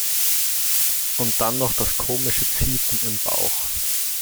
Und dann noch das komische Ziepen im Bauch.